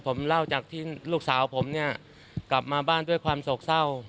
ผมเล่าจากที่ลูกสาวผมเนี่ยกลับมาบ้านด้วยความโศกเศร้า